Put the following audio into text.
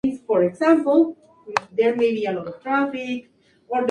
Su siguiente paso fue ganarse el apoyo de los demás omeyas.